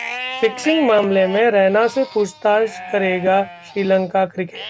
Fixing मामले में रैना से पूछताछ करेगा श्रीलंका क्रिकेट!